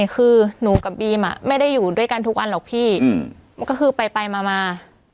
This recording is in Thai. คือหนูกับบีมไม่ได้อยู่ด้วยกันทุกวันหรอกพี่มันก็คือไปมา